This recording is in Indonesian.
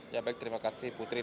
ya baik terima kasih putri